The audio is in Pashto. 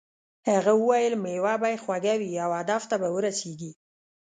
هغه وویل میوه به یې خوږه وي او هدف ته به ورسیږې.